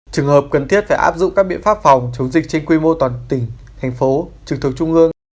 trường hợp cần thiết phải áp dụng các biện pháp phòng chống dịch trên quy mô toàn tỉnh thành phố trực thuộc trung ương